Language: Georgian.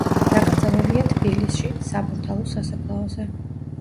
დაკრძალულია თბილისში, საბურთალოს სასაფლაოზე.